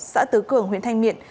xã tứ cường huyện thanh miện